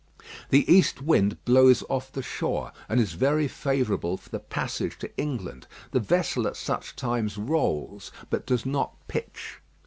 The east wind blows off the shore, and is very favourable for the passage to England; the vessel at such times rolls, but does not pitch.